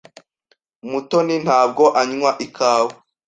Mutoni ntabwo anywa ikawa.